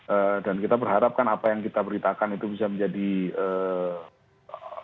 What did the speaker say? eee dan kita berharap kan apa yang kita beritakan itu bisa menjadi ee